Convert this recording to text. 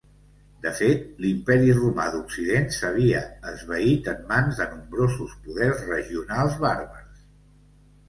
De fet, l'Imperi Romà d'Occident s'havia esvaït en mans de nombrosos poders regionals bàrbars.